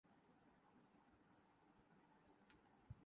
پاکستان میں اردو زبان میں ڈب کر کے نشر کیا جارہا ہے